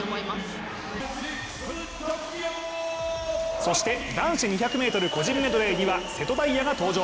そして男子２００ｍ個人メドレーには瀬戸大也が登場。